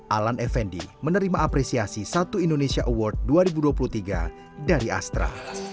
alan effendi menerima apresiasi satu indonesia award dua ribu dua puluh tiga dari astra